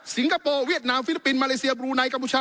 คโปร์เวียดนามฟิลิปปินสมาเลเซียบรูไนกัมพูชา